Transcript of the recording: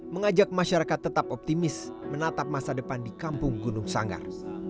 mengajak masyarakat tetap optimis menatap masa depan di kampung gunung sanggar